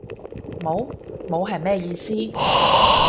冇？冇係咩意思？